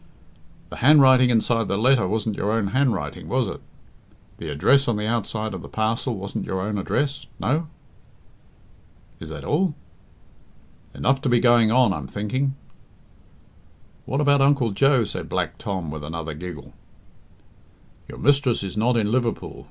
"The handwriting inside the letter wasn't your own handwriting, was it? The address on the outside of the parcel wasn't your own address no?" "Is that all?" "Enough to be going on, I'm thinking." "What about Uncle Joe?" said Black Tom, with another giggle. "Your mistress is not in Liverpool.